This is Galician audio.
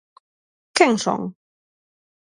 Quen son?